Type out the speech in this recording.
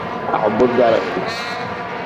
Aɛebbuḍ d arɣib.